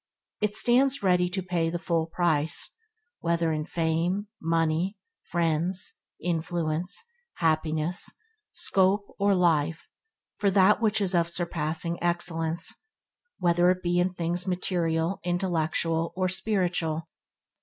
It always stands ready to pay the full price, whether in money, fame, friends, influence, happiness, scope or life, for that which is of surpassing excellence, whether it be in things material, intellectual, or spiritual.